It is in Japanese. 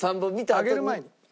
上げる前に。